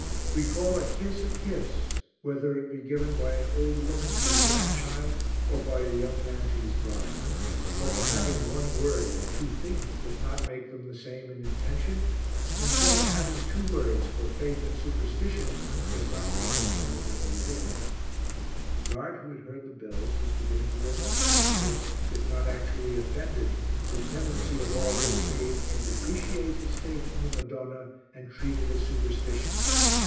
We call a kiss a kiss whether it be given by an old woman to her grandchild or by a young man to his bride; but the having one word for two things does not make them the same in intention, and so the having two words for faith and superstition does not make them fundamentally different. The guard who had heard the bells was beginning to look uncomfortable, if not actually offended, the tendency of all this being to depreciate his faith in the Madonna and treat it as superstition.